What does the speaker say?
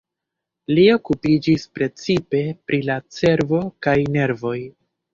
Li okupiĝis precipe pri la cerbo kaj nervoj.